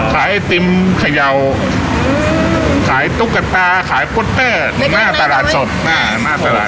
ขายไอติมขยาวขายตุ๊กกะตาขายโป๊ตเต้หน้าตลาดสดหน้าหน้าตลาด